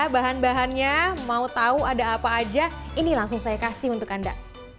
bahan bahannya mau tahu ada apa aja ini langsung saya kasih untuk anda